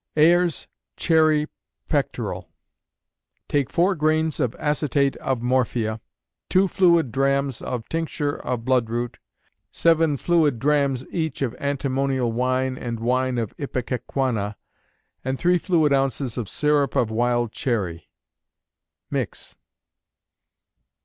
Ayer's Cherry Pectoral. Take four grains of acetate of morphia, 2 fluid drachms of tincture of bloodroot, 7 fluid drachms each of antimonial wine and wine of ipecacuanha, and 3 fluid ounces of syrup of wild cherry. Mix.